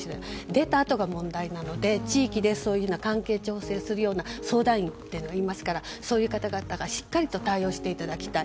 出たあとが問題なので地域でそういう関係調整するような相談員がいますからそういう方々が対応していただきたい。